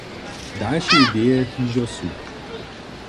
Dalše ideje hižo su.